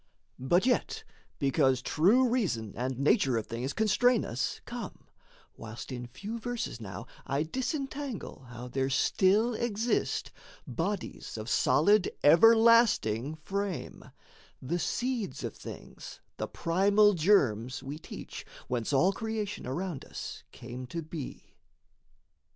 But yet because true reason and nature of things Constrain us, come, whilst in few verses now I disentangle how there still exist Bodies of solid, everlasting frame The seeds of things, the primal germs we teach, Whence all creation around us came to be.